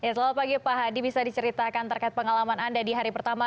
selamat pagi pak hadi bisa diceritakan terkait pengalaman anda di hari pertama